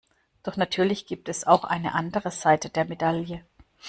Doch natürlich gibt es auch eine andere Seite der Medaille.